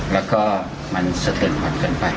และก็มันสะเกิดหวันเกินไป